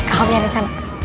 aku punya ini ide